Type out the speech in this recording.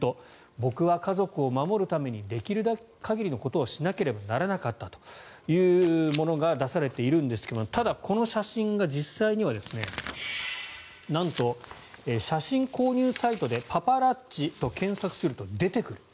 僕は家族を守るためにできる限りのことをしなければならなかったというものが出されているんですがただ、この写真が実際にはなんと写真購入サイトで「パパラッチ」と検索すると出てくる。